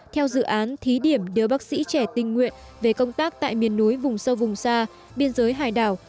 theo dự án thí điểm đưa bác sĩ trẻ tình nguyện về công tác tại miền núi vùng sâu vùng xa biên giới hải đảo